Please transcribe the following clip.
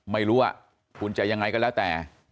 ไม่รู้ว่าคุณจะยังไงก็แล้วแต่